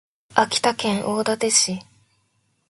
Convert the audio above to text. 秋田県大館市